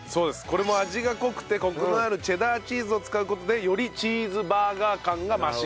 これも味が濃くてコクのあるチェダーチーズを使う事でよりチーズバーガー感が増しますと。